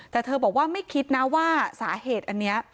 แต่เธอบอกว่าไม่คิดนะว่าสาเหตุอันนี้